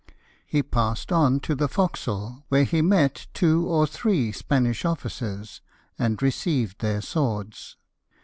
He passed on to the fore castle, where he met two or three Spanish officers, and received their swords.